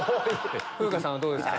風花さんはどうですか？